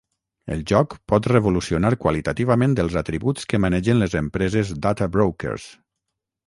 El joc pot revolucionar qualitativament els atributs que manegen les empreses Data Brokers.